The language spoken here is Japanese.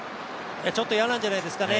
ちょっと嫌なんじゃないですかね